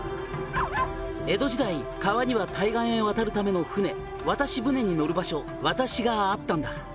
「江戸時代川には対岸へ渡るための舟渡し舟に乗る場所渡しがあったんだ」